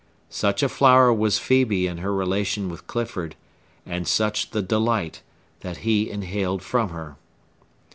Such a flower was Phœbe in her relation with Clifford, and such the delight that he inhaled from her.